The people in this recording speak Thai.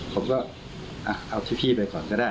ผมก็เอาที่พี่ไปก่อนก็ได้